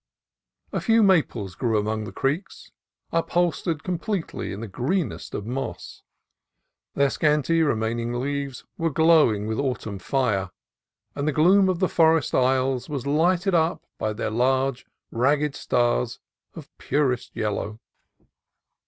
A few maples grew along the creeks, upholstered completely in the greenest of moss. Their scanty remaining leaves were glowing with autumn fire, and the gloom of the forest aisles was lighted up by their large ragged stars of purest yellow.